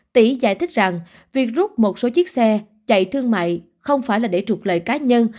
tỷ giải thích rằng việc rút một số chiếc xe chạy thương mại không phải là để trục lợi cá nhân